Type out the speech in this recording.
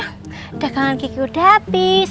udah kangen kiki udah habis